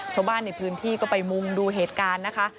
ชาวบ้านในพื้นที่ก็ไปมุงดูเหตุการณ์นะคะ